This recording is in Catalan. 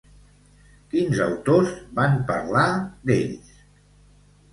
Quins autors van parlar d'ells?